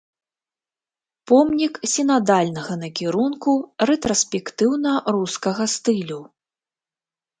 Помнік сінадальнага накірунку рэтраспектыўна-рускага стылю.